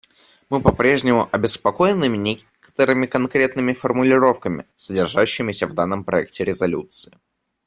Мы попрежнему обеспокоены некоторыми конкретными формулировками, содержащимися в данном проекте резолюции.